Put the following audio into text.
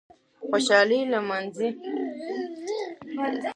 خوشالي نمانځي